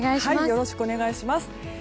よろしくお願いします。